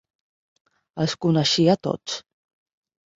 Els coneixia tots.